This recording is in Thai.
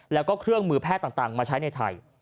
แล้วก็เครื่องมือแพทย์ต่างมาใช้ในไทย